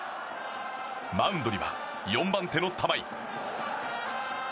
マウンドには４番手の玉井。